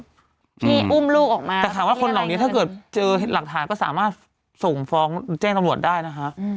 ที่อุ้มลูกออกมาแต่ถามว่าคนเหล่านี้ถ้าเกิดเจอหลักฐานก็สามารถส่งฟ้องแจ้งตำรวจได้นะคะ